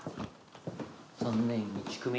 ３年１組。